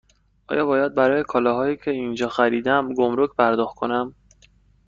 آیا باید برای کالاهایی که اینجا خریدم گمرگ پرداخت کنم؟